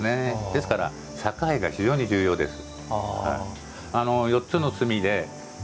ですから、境が非常に重要です。